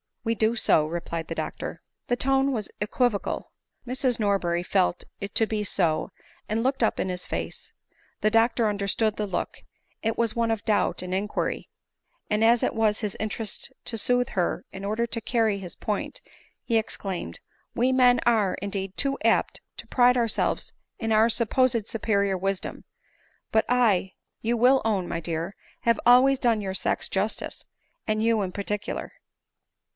" We do so," replied the doctor. The tone was equivocal — Mrs Norberry felt it to be so, and looked up in his face. • The doctor understood the look ; it was one of doubt and inquiry ; and, as it was 112 ADELINE MOWBRAY. his interest to sooth her in order to cany his point, he exclaimed, " we men are, indeed, too apt to pride our elves in our supposed superior wisdom ; hut I, you will own, my dear, have always done your sex justice ; and you in particular."